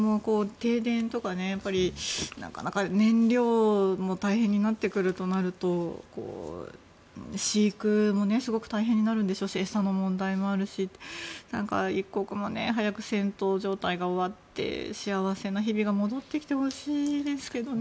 停電とか、なかなか燃料も大変になってくるとなると飼育もすごく大変になるんでしょうし餌の問題もあるし一刻も早く戦闘状態が終わって幸せな日々が戻ってきてほしいですけどね。